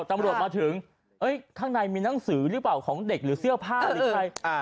ตำรวจมาถึงข้างในมีหนังสือหรือเปล่าของเด็กหรือเสื้อผ้าหรือใคร